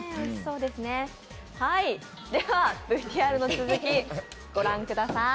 ＶＴＲの続きをご覧ください。